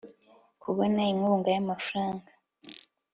kubona inkunga y amafaranga